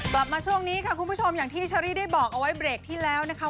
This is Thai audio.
กลับมาช่วงนี้ค่ะคุณผู้ชมอย่างที่เชอรี่ได้บอกเอาไว้เบรกที่แล้วนะคะ